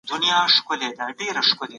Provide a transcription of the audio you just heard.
ما مخکي داسې کار نه و کړی.